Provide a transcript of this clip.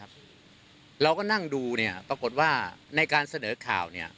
เราก็นั่งดูปรากฏว่าในการเสนอข่าว